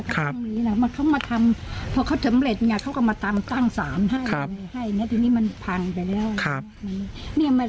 เขามาทำเพราะเขาสำเร็จเขาก็มาตั้งสามให้ทีนี้มันพังไปแล้ว